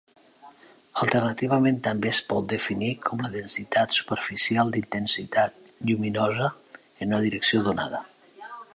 Alternativament, també es pot definir com la densitat superficial d'intensitat lluminosa en una direcció donada.